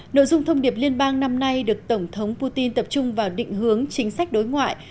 nội dung thông điệp liên bang năm nay được tổng thống putin tập trung vào định hướng chính sách đối ngoại